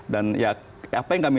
dan ya apa yang kami